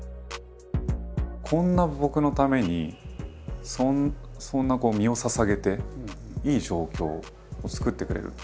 こんな僕のためにそんな身をささげていい状況を作ってくれる。